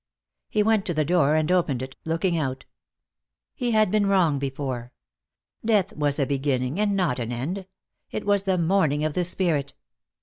He went to the door and opened it, looking out. He had been wrong before. Death was a beginning and not an end; it was the morning of the spirit.